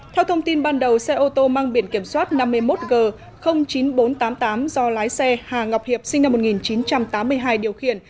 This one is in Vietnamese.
theo thông tin ban đầu xe ô tô mang biển kiểm soát năm mươi một g chín nghìn bốn trăm tám mươi tám do lái xe hà ngọc hiệp sinh năm một nghìn chín trăm tám mươi hai điều khiển